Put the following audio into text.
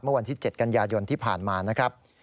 เมื่อวันที่๗กันยายนที่ผ่านมานะครับ